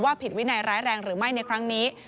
ผิดวินัยร้ายแรงหรือไม่ในครั้งนี้